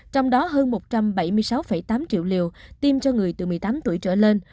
trong đó hơn một trăm bảy mươi sáu tám triệu liều tiêm cho người từ một mươi tám tuổi trở lên